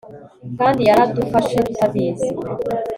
Kandi yaradufashe tutabizi